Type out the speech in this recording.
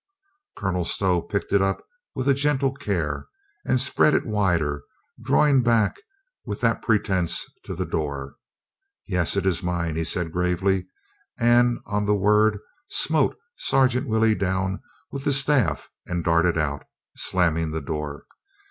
Colonel Stow picked it up with a gentle care and spread it wider, drawing back with that pretence to the door. "Yes, it is mine," he said gravely, and on the word smote Sergeant Willey down with the staff and darted out, slamming the door.